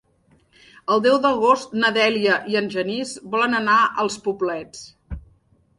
El deu d'agost na Dèlia i en Genís volen anar als Poblets.